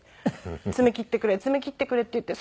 爪切ってくれ爪切ってくれって言って。